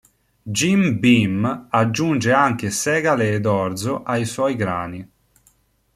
Jim Beam aggiunge anche segale ed orzo ai suoi grani.